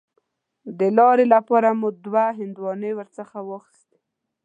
د لارې لپاره مو دوه هندواڼې ورڅخه واخیستې.